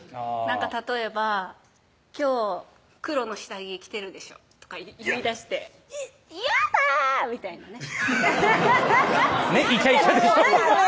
例えば「今日黒の下着着てるでしょ」とか言いだして「嫌だ！」みたいなねねっイチャイチャでしょ何？